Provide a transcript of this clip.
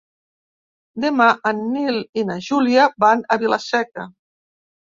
Demà en Nil i na Júlia van a Vila-seca.